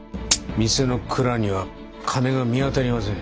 店の蔵には金が見当たりません。